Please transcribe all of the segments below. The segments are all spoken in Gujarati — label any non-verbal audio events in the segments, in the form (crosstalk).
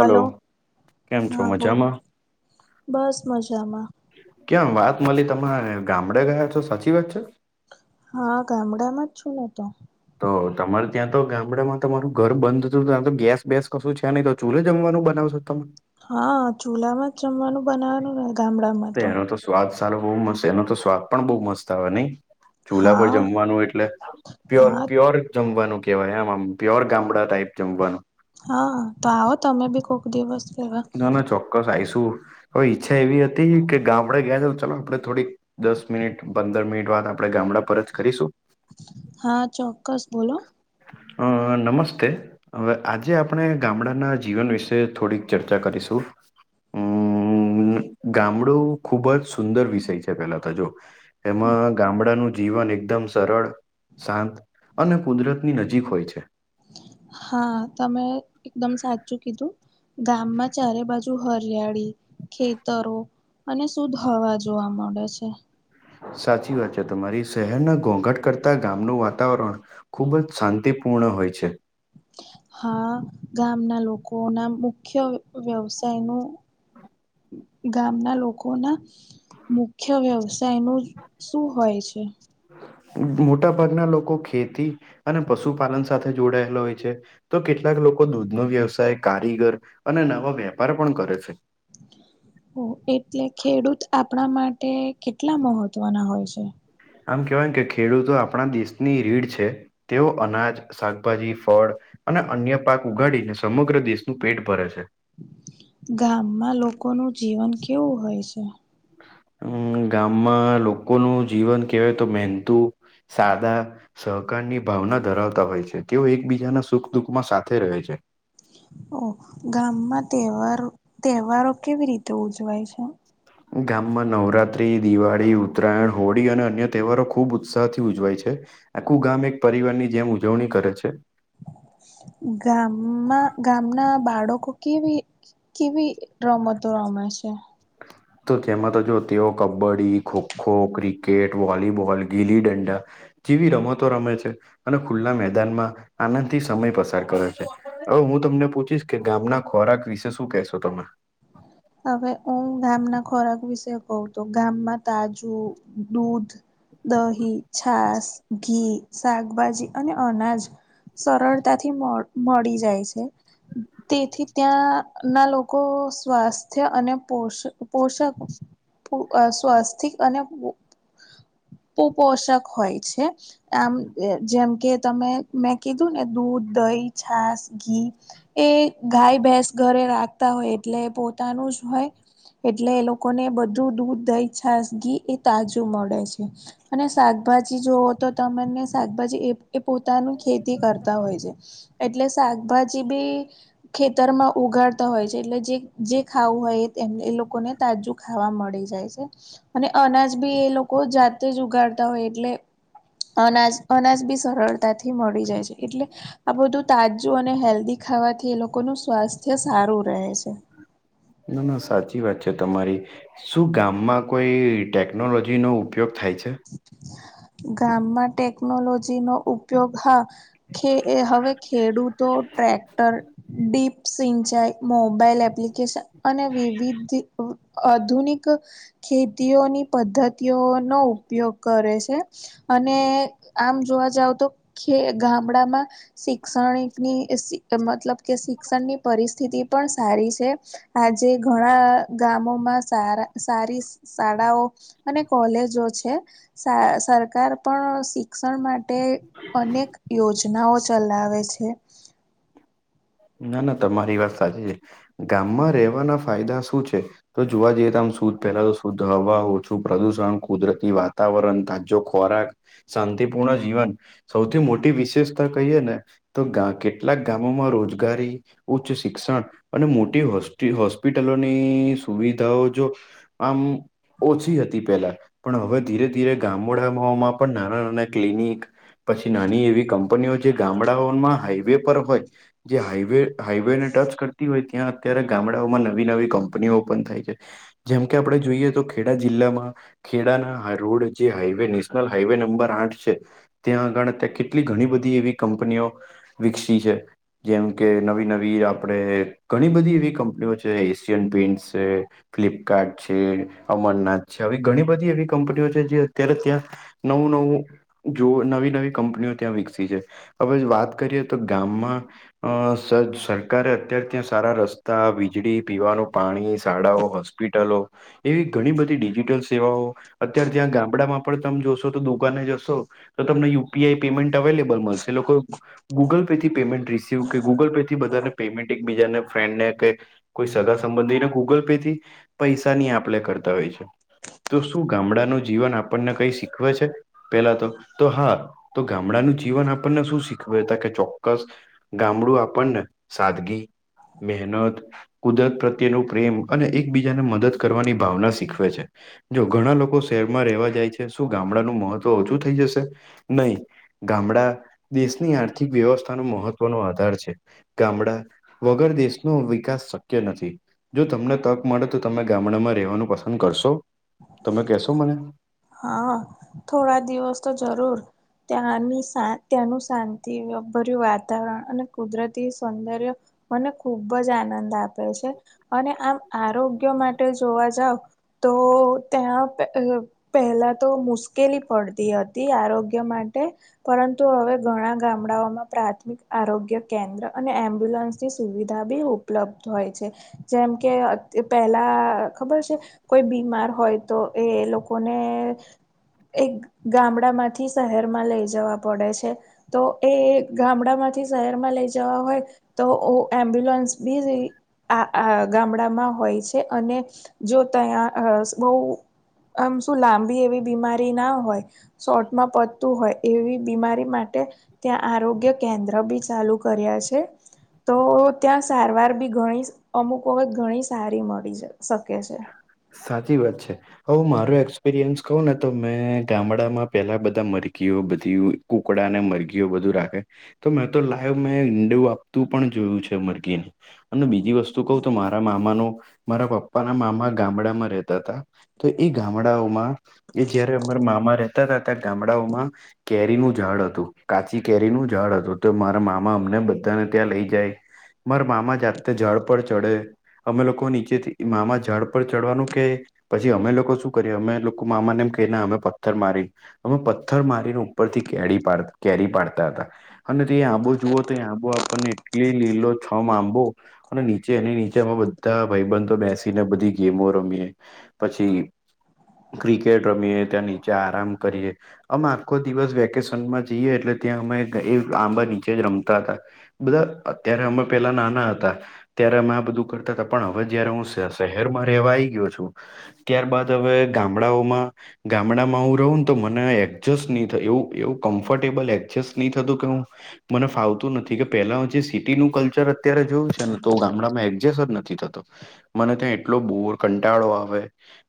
હલો. કેમ છો હા, બોલ. મજામાં બસ, મજામાં. કેમ વાત મલી, તમાય ગામડે ગયા છો? સાચી વાત છે. હા, ગામડામાં જ છું હું તો. તો તમારે ત્યાં તો ગામડામાં તમારું ઘર બંધ અતું, તા તો ગેસ બેેસ કસું છે નઈ, ત ચૂલે જમવાનું બનાવસો તમ? હા, ચૂલામાં જ જમવાનું બનાવાનું ને ગામડામાં. રે એનો તો સ્વાદ સારો બઉ મસે, એનો તો સ્વાદ પણ બઉ મસ્ત આવે નઈ. ચૂલા પર હા જમવાનું એટલે પ્યોર હા પ્યોર જમવાનું કેવાય આમ, આમ પ્યોર ગામડા ટાઈપ જમવાનું. હા, તો આવો તમે બી કોક દિવસ. લેવા ના ના ચોક્કસ આઈસું. હવે, ઈચ્છા એવી અતી કે ગામડે ગયા. તો ચાલો, આપડણે થોડીક દસ મિનિટ, પંદર મિનિટ વાત આપડણે ગામડા પર જ કરીશું. હા, ચોક્કસ. બોલો. અ નમસ્તે. અવે, આજે આપણે ગામડાના જીવન વિશે થોડીક ચર્ચા કરીસું. અમ્મ...... મ્મ... ગામડું ખુબ જ સુંદર વિષય છે, પેલા તો જો. એમાં ગામડાનું જીવન એકદમ સરળ, સાંત અને કુદરતની નજીક હોય છે. હા, તમે એકદમ સાચું કીધું. ગામમાં ચારે બાજુ હરિયાળી ખેતરો અને સુધ હવા જોવા મળે છે. સાચી વાત છે તમારી. શહેરના ઘોંઘટ કરતા ગામનું વાતાવરણ ખૂબ જ સાંતિપૂર્ણ હોય છે. હા, ગામના લોકો ના મુખ્ય વ્યવસાય નું ગામના લોકોના મુખ્ય વ્યવસાયનું શું હોય છે? મોટા ભાગના લોકો ખેતી અને પસુપાલન સાથે જોડાયેલા ઓય છે. તો કેટલાક લોકો દૂધનો વ્યવસાય, કારીગર અને નવા વેપાર પણ કરે છે. હો. એટલે ખેડૂત આપણા માટે કેટલા મહત્વના ઓય સે. આમ કેવાય કે, ખેડૂતો આપડણા દેશની રીડ છે. તેઓ અનાજ, સાકભાજી, ફળ અને અન્ય પાક ઉગાડીને સમગ્ર દેશનું પેટ ભરે છે. ગામમાં લોકો નું જીવન કેવું હોય શે? અમ્મ, ગામમાં લોકોનું જીવન કેવાય તો મેનતું, સાદા સહકારની ભાવના ધરાવતા હોય છે, કે ઓ એકબીજાના સુખ-દુઃખમાં સાથે રહે છે. ઓ! ગામમાં તહેવાર તહેવારો કેવી રીતે ઉજવાય છે? ગામમાં નવરાત્રિ, દિવાળી, ઉત્તરાયણ, હોળી અને અન્ય તહેવારો ખૂબ ઉત્સાહથી ઉજવાય છે. આખું ગામ એક પરિવારની જેમ ઉજવણી કરે છે. ગામમાં ગામના બાળકો કેવી કેવી રમતો રમે છે. (inaudible) (unintelligible) તેઓ કબડ્ડી ખોખો ક્રિકેટ વોલીબોલ ગીલી દંડા જેવી રમતો રમે છે અને ખુલ્લા મેદાનમાં આનંદથી સમય પસાર કરે છે. હવે હું તમને પૂછીશ કે ગામના ખોરાક વિશે શું કહેશો તમે હવે હું ગામના ખોરાક વિશે કવું તો ગામમાં તાજુ દૂધ દહી છાસ ઘી શાકભાજી અને અનાજ સરળતા થી મળ મળી જાય છે. તેથી ત્યાં ના લોકો સ્વાસ્ (unintelligible) (unintelligible) પોશક હોય છે. આમ જેમ કે તમે મેં કીધું ને દૂધ દહી છાસ ઘી એ ગાય ભેસ ઘરે રાખતા હોય એટલે પોતાનું જ હોય. એટલે એ લોકોને બધું દૂધ દહી છાસ ઘી એ તાજું મળે છે. અને શાકભાજી જુઓ તો તમને શાકભાજી એ એ પોતાનું ખેતી કરતા હોય છે. એટલે શાકભાજી બી ખેતરમાં ઉગાડતા હોય છે એટલે જે જે ખાવું હોય એને એ લોકોને તાજું ખાવા મળી જાય છે અને અનાજ બી એ લોકો કો જાતે જ ઉગાડતા હોય એટલે અનાજ અનાજ બી સરળ તા થી મળી જાય છે એટલે આ બધું તાજું અને હેલ્દી ખાવાથી એ લોકો નું સ્વાસ્થ્ય સારું રહે છે. ના ના સાચી વાત છે તમારી શું ગામમાં કોઈ ટેકનોલોજીનો ઉપયોગ થાય છે. ગામમાં ટેકનોલોજી નો ઉપયોગ હા ખે એ હવે ખેડૂતો ટ્રેક્ટર ડીપ સિંચાઈ મોબાઈલ એપ્લિકેશન અને વિવિધ આધુનિક ખેતીઓની પદ્ધતિઓનો ઉપયોગ કરે છે અને આમ જોવા જાવ તો ખે ગામડામા શિક્ષણિકની મતલબ કે શિક્ષણની પરિસ્થિતિ પણ સારી છે. આજે ઘણા ગામોમાં સારા સારી શાળાઓ અને કોલેજો છે સરકાર પણ શિક્ષણ માટે અનેક યોજનાઓ ચલાવે છે. ના ના તમારી વાત સાચી છે ગામમાં રહેવાના ફાયદા શું છે. તો જોવા જઈએ તો આમ શુદ પેલા તો શુદ્ધ હવા ઓછું પ્રદુષણ કુદરતી વાતાવરણ તાજો ખોરાક શાંતિપૂર્ણ જીવન સૌથી મોટી વિશેષતા કહીએ ને તો કેટલાક ગામોમાં રોજ કરી ઉચ્ચ શિક્ષણ અને મોટી હોસ્ટિ હોસ્પિટલોની સુવિધાઓ જો આમ ઓછી હતી પેલા પણ હવે ધીરે ધીરે ગામડામાં પણ નાના નાના ક્લિનિક પછી નાની એવી કંપનીઓ જે ગામડાઓમાં હાઈવે પર હોય જે હાઈવે હાઈવેને ટચ કરતી હોય ત્યાં અત્યારે ગામડાઓમાં નવી નવી કંપનીઓ ઓપન થાય છે. જેમ કે આપણે જોઈએ તો ખેડા જિલ્લામાં ખેડાના રોડ જે હાઈવે નેશનલ હાઈવે નંબર આઠ છે. ત્યાં આગળ ત્યાં કેટલી ઘણી બધી એવી કંપનીઓ વિકસી છે. જેમ કે નવી નવી આપણે ઘણી બધી એવી કંપનીઓ છે. એશિયન પેઇન્ટ છે, ફ્લિપકાર્ટ છે, અમરનાથ છે, આવી ઘણી બધી એવી કંપનીઓ છે. જે અત્યારે ત્યાં નવું નવું જો નવી નવી કંપનીઓ ત્યાં વિકસી છે, હવે વાત કરીએ તો ગામમાં અ સર સરકારે અત્યાર ત્યાં સારા રસ્તા વીજળી પીવાનું પાણી શાળાઓ હોસ્પ હોસ્પિટલો એવી ઘણી બધી ડિજિટલ સેવાઓ અત્યારે ત્યાં ગામડામાં પણ તમે જોશો તો દુકાને જશો તો તમને યુપીઆઈ પેમેન્ટ અવેલેબલ મળશે લોકો ગૂગલ પે થી પેમેન્ટ રીસીવ કે ગૂગલ થી બધાને પેમેન્ટ એકબીજા ફ્રેન્ડને કે કોઈ સગા સંબંધીને ગૂગલ પે થી પૈસાની આપ લે કરતા હોય છે. તો શું ગામડાનું જીવન આપણને કઈ શીખવે છે. પેલા તો તો હા તો ગામડાનું જીવન આપણને શું શીખવે તા કે ચોક્કસ ગામડું આપણને સાદગી, મહેનત, કુદરત પ્રત્યે નું પ્રેમ, અને એકબીજાને મદદ કરવાની ભાવના શીખવે છે. જો ઘણા લોકો શહેરમાં રહેવા જાય છે, શું ગામડાનું મહત્વ ઓછું થઈ જશે? નહી. ગામડા દેશની આર્થિક વ્યવસ્થાનું મહત્વ નો આધાર છે. ગામડા વગર દેશ નો વિકાસ શક્ય નથી જો તમને તક મળે તો તમે ગામડામાં રહેેવાનું પસંદ કરશો? તમે કેશો મને? હા. થોડા દિવસ તો જરૂર. ત્યાંની શા ત્યાંનું શાંતિ ભર્યું વાતાવરણ અને કુદરતી સૌંદર્ય મને ખુબ જ આનંદ આપે છે અને આમ આરોગ્ય માટે જોવા જાવ તો ત્યાં (unintelligible) પહેલા તો મુશ્કેલી પડતી હતી આરોગ્ય માટે પરંતુ હવે ઘણા ગામડાઓમાં પ્રાથમિક આરોગ્ય કેન્દ્ર અને એમ્બ્યુલન્સ જે સુવિધા બી ઉપલબ્ધ હોય છે. જેમ કે પેલા ખબર છે? કોઈ બીમાર હોય તો એ લોકો લોકોને એક ગામડા માંથી શહેર માં લઈ જવા પડે છે. તો એ ગામડામાંથી શહેરમાં લઈ જવા હોય. તો ઓ એમ્બુલન્સ બી આ આ ગામડામાં હોય છે. અને જો ત્યાં (unintelligible) બહુ આમ શું લાંબી એવી બીમારી ના હોય, શોર્ટમાં પડતું હોય, એવી બીમારી માટે ત્યાં આરોગ્ય કેન્દ્ર બી ચાલુ કર્યા છે. તો ત્યાં સારવાર બી ઘણી અમુક વખત ઘણી સારી મળી શકે છે. સાચી વાત છે. હ, મારો એક્સપિરિયન્સ કહું ને તો મેં ગામડામાં પેલા બધા મરઘી ઓ બધી કુકડા અને મરઘીઓ બધું રાખે. તો મેં તો લાઈવ મેં ઇન્ડુ આપતું પણ જોયું છે મરઘીને. અને બીજી વસ્તુ કહું તો મારા મામા નો, મારા પપ્પાના મામા ગામડામાં રહેતા હતા. તો એ ગામડાઓમાં એ જયારે અમારા મામા રહેતા હતા. ત્યાં ગામડાઓમાં કેરીનું ઝાડ હતું કાચી કેરીનું ઝાડ હતું તો મારા મામા અમને બધાને ત્યાં લઈ જાય. મારા મામા જાતેતે ઝાડ પર ચડે અમે લોકો નીચેથી મામા ઝાડ ઉપર ચડવાનું કે પછી અમે લોકો શું કરીએ અમે લોકો મામાને એમ કે ના અમે પથ્થર મારી અમે પથ્થર મારીને ઉપરથી કેરી પાડ કેરી પાડતા હતા. અને તે આંબો જુઓ તો એ આંબો આપણને એટલી લીલો છમ આંબો. અને નીચે એની નીચેમાં અમે બધા ભાઈબંધ તો બેસીને બધી. ગેમો રમીએ પછી ક્રિકેટ રમીએ ત્યાં નીચે આરામ કરીએ. અમે આખો દિવસ વેકેશનમાં જઈએ એટલે ત્યાં અમે (inaudible) કે આંબા નીચે જ રમતા તા. બધા અત્યારે અમે પેલા નાના હતા ત્યારે અમે આ બધું કરતા હતા પણ હવે જયારે હું. (inaudible) શહેર માં રહેવા આવી ગયો છું ત્યાર બાદ હવે ગામડાઓમાં ગામડામાં હું રહું. તો મને એડજસ્ટ નહી એવું એવું કમ્ફર્ટેબલ એડજસ્ટ નહી થતું કે હું. મને ફાવતું નથી કે પેલા જે સિટીનું કલ્ચર અત્યારે જોયું છે ને તો ગામડામાં એડજસ્ટ જ નથી થતો. મને ત્યાં એટલો બોર કંટાળો આવે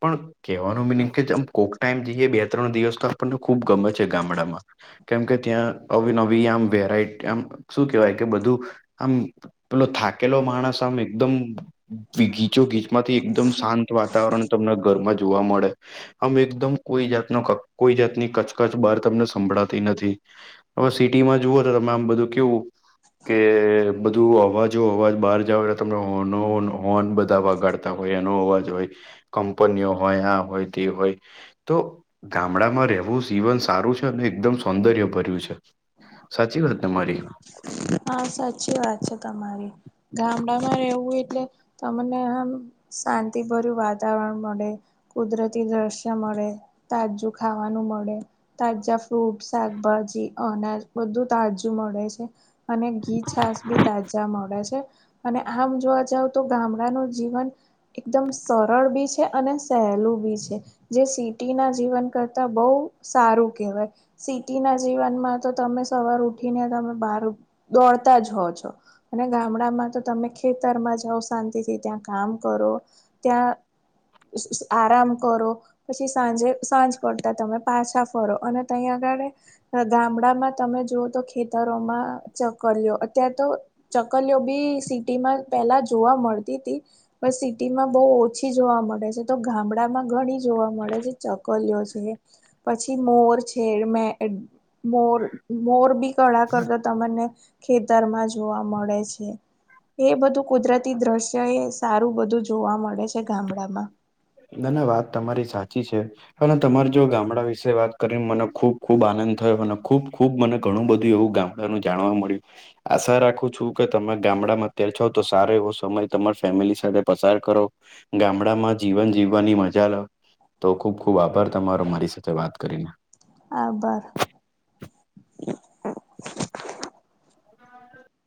પણ. કેવાનું મિનિંગ કે જેમ કોકને એમ જઈએ બે ત્રણ દિવસ તો આપણને ખુબ ગમે છે ગામડામાં. કેમ કે ત્યાં અવિનવી આમ વેરાયટી આમ શું કેવાય કે બધું આમ. પેલો થાકેલો માણસ આમ એકદમ (inaudible) માંથી એકદમ શાંત વાતાવરણ તમને ઘરમાં જોવા મળે આમ એકદમ કોઈ જાત. કોઈ જાતની કચકચ બહાર તમને સંભળાતી નથી. હવે સિટીમાં જુઓ તો તમે આમ બધું કેવું. કે બધું અવાજો અવાજ બહાર જાવ એટલે તમને હોર્ન હોન બધા વાગાડ. તા હોય એનો અવાજ હોય કંપનીઓ હોય આ હોય તે હોય. તો ગામડામાં રહેવું જીવન સારું છે અને એકદમ સૌંદર્ય ભર્યું છે. સાચી વાત ને મારી હા સાચી વાત છે તમારી ગામડા માં રહેવું એટલે. તમને આમ શાંતિભર્યું વાતાવરણ મળે. કુદરતી દ્રશ્ય મળે તાજું ખાવાનું મળે. તાજા ફ્રૂટ શાકભાજી અનાજ બધું તાજું મળે છે. અને ઘી છાસ બી તાજા મળે છે. અને આમ જોવા જાવ તો ગામડાનું જીવન. એકદમ સરળ બી છે અને સહેલું બી છે. જે સિટી ના જીવન કરતા બહુ સારું કહેવાય. સિટીના જીવનમાં તો તમે સવાર ઉઠીને તમે બહાર દોડતા જ હો છો અને ગામડામાં તો તમે ખેતરમાં જાઓ શાંતિથી ત્યાં કામ કરો. ત્યાં આરામ કરો. પછી સાંજે સાંજ પડતા તમે પાછા ફરો અને તએ આગળ એ. ગામડામાં તમે જોઓ તો ખેતરોમાં. ચકલીઓ અત્યારે તો ચકલીઓ બી સિટી માં પેલા જોવા મળતી તી. પણ સિટીમાં બહુ ઓછી જોવા મળે તો ગામડામાં ઘણી જોવા મળે છે ચકલીઓ છે એ. પછી મોર છે મે મોર મોર બી કળા કરત. તમને ખેતરમાં જોવા મળે છે એ બધું કુદરતી દ્રશ્ય. એ સારું બધું જોવા મળે છે ગામડામાં. ના ના વાત તમારી સાચી છે. અને તમાર જોડે ગામડા વિશે વાત કરીને મને ખૂબ ખુબ આનંદ થયો અને ખુબ ખુબ મને ઘણું બધું એવું ગામ. ડાનું જાણવા મળ્યું. આશા રાખું છું કે તમે ગામડામાં અત્યારે છો તો સારો એવો સમય તમારા ફેમિલી સાથે પસાર કરો. ગામડામાં. (inaudible) જીવન જીવવાની મજા લો તો ખુબ ખુબ આભાર તમારો મારી સાથે વાત કરીને. આભાર.